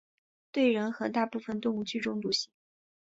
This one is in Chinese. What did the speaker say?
对人和大部分动物具中毒性。